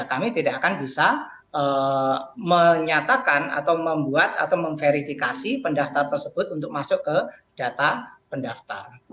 kami tidak akan bisa menyatakan atau membuat atau memverifikasi pendaftar tersebut untuk masuk ke data pendaftar